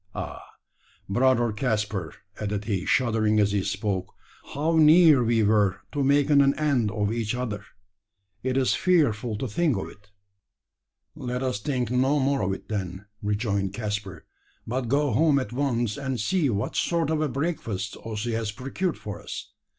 Ah! brother Caspar," added he, shuddering as he spoke, "how near we were to making an end of each other! It's fearful to think of it!" "Let us think no more of it then," rejoined Caspar; "but go home at once and see what sort of a breakfast Ossy has procured for us.